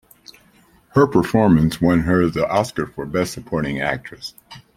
Her performance won her the Oscar for Best Supporting Actress.